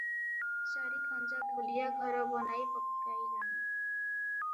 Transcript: ଚାରି ଖଞ୍ଜା ଧୂଳିଆ ଘର ବନାଇ ପକାଇଲାଣି ।